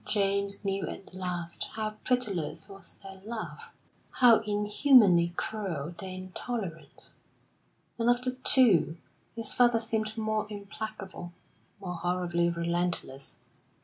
James knew at last how pitiless was their love, how inhumanly cruel their intolerance; and of the two his father seemed more implacable, more horribly relentless.